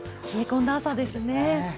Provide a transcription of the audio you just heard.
冷え込んだ朝ですね。